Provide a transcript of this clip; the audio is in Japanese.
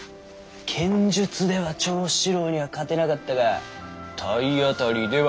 剣術では長七郎には勝てなかったが体当たりでは。